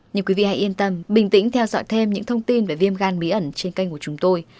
nhưng quý vị hãy yên tâm bình tĩnh theo dõi thêm những thông tin về viêm gan bí ẩn trên kênh của chúng tôi